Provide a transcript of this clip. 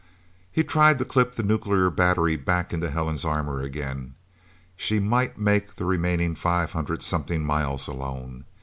He tried to clip the nuclear battery back in Helen's armor, again. She might make the remaining five hundred something miles, alone...!